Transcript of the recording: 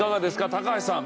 高橋さん。